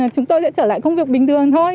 chúng tôi sẽ trở lại công việc bình thường thôi